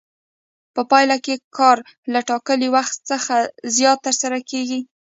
په پایله کې کار له ټاکلي وخت څخه زیات ترسره کېږي